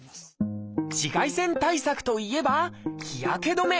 紫外線対策といえば日焼け止め。